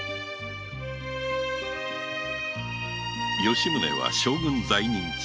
吉宗は将軍在任中